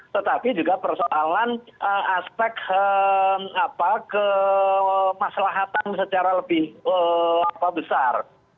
tetapi juga persoalan aspek kemaslahatan secara lebih besar